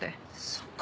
そっか。